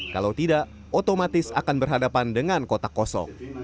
kalau tidak otomatis akan berhadapan dengan kota kosok